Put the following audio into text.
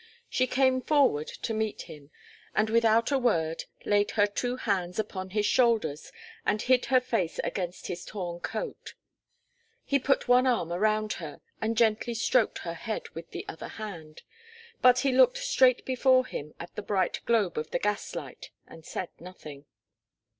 She came forward to meet him, and without a word laid her two hands upon his shoulders and hid her face against his torn coat. He put one arm around her and gently stroked her head with the other hand, but he looked straight before him at the bright globe of the gas light, and said nothing.